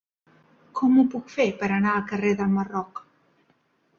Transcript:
Com ho puc fer per anar al carrer del Marroc?